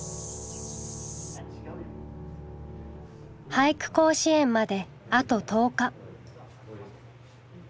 俳句甲子園まであと１０日。